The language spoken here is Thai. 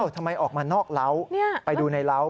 ทำไมออกมานอกเล้าไปดูในเล้า